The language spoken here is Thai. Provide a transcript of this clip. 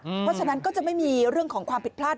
เพราะฉะนั้นก็จะไม่มีเรื่องของความผิดพลาด